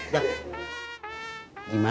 jak gimana jak